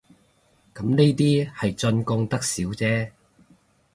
咁呢啲係進貢得少姐